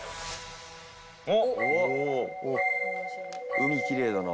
海きれいだな。